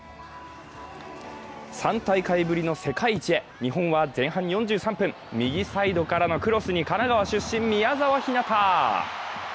３大会ぶりの世界一へ、日本は前半４３分、右サイドからのクロスに神奈川出身・宮澤ひなた！